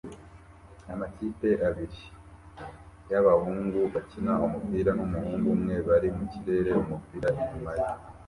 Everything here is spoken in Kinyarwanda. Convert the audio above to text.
Amakipe abiri y'abahungu bakina umupira n'umuhungu umwe bari mu kirere umupira inyuma ye